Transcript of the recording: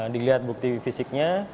dilihat bukti fisiknya